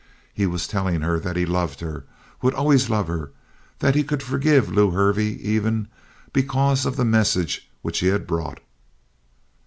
He was telling her that he loved her, would always love her, that he could forgive Lew Hervey, even, because of the message which he had brought.